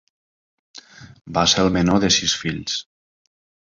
Va ser el menor de sis fills.